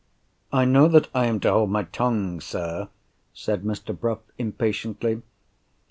"I know that I am to hold my tongue, sir!" said Mr. Bruff, impatiently.